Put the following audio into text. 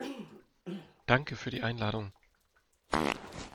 Danke für die Einladung.